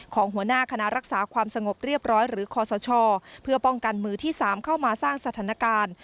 หัวหน้าคณะรักษาความสงบเรียบร้อยหรือคอสชเพื่อป้องกันมือที่๓เข้ามาสร้างสถานการณ์